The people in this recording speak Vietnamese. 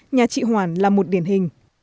nhà chị hoàn là một điển hình